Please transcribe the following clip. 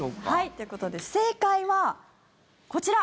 ということで正解は、こちら。